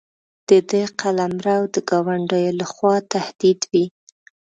د ده قلمرو د ګاونډیو له خوا تهدید وي.